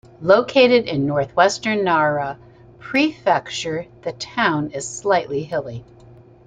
Located in northwestern Nara Prefecture, the town is slightly hilly.